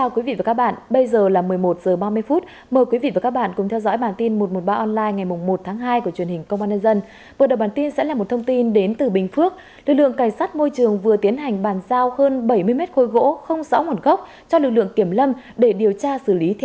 các bạn hãy đăng ký kênh để ủng hộ kênh của chúng mình nhé